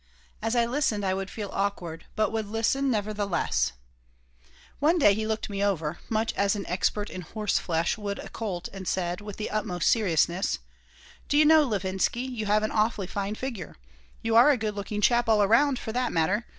As I listened I would feel awkward, but would listen, nevertheless One day he looked me over, much as an expert in horseflesh would a colt, and said, with the utmost seriousness: "Do you know, Levinsky, you have an awfully fine figure. You are a good looking chap all around, for that matter.